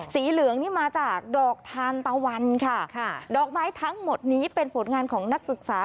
สีเหลืองนี่มาจากดอกทานตะวันค่ะค่ะดอกไม้ทั้งหมดนี้เป็นผลงานของนักศึกษา